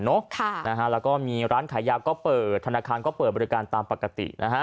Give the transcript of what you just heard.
แล้วก็มีร้านขายยาก็เปิดธนาคารก็เปิดบริการตามปกตินะฮะ